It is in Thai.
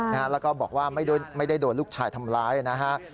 แล้วก็บอกว่าไม่ได้โดนลูกชายทำร้ายนะฮะ